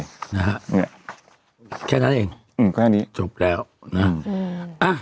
นะฮะเนี่ยแค่นั้นเองอืมแค่นี้จบแล้วนะอืมอ่ะ